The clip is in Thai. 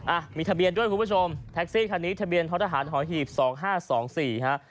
อ่ะมีทะเบียนด้วยคุณผู้ชมแท็กซี่คันนี้ทะเบียนทศาสตร์หอหีบ๒๕๒๔ค่ะ